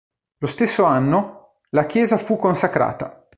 Lo stesso anno, la chiesa fu consacrata.